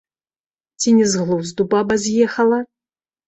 Ці не з глузду баба з'ехала?